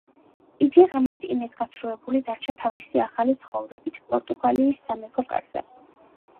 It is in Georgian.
იგი ღრმად იმედგაცრუებული დარჩა თავისი ახალი ცხოვრებით პორტუგალიის სამეფო კარზე.